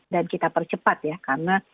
dan kita percepat ya karena